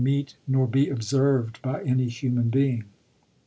meet nor be observed by any human being.